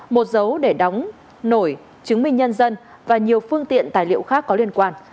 một dấu để đóng nổi chứng minh nhân dân và nhiều phương tiện tài liệu khác có liên quan